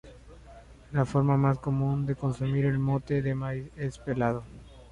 La forma más común de consumir el mote de maíz es pelado.